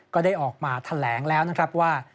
ก็ได้ออกมาแถลงแล้วนะครับว่า